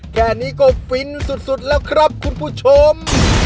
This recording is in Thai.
แค่นี้ก็ฟินสุดแล้วครับคุณผู้ชม